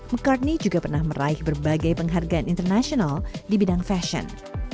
mccartney juga pernah meraih berbagai penghargaan internasional di bidang fashion